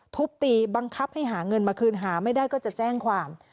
ทุบตีบังคับให้หาเงินมาคืนหาไม่ได้ก็จะแจ้งความ